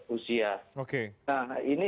usia oke nah ini